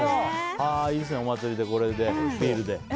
いいですね、お祭りでこれでビールで。